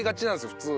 普通。